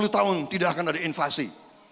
dua puluh tahun tidak akan ada invasi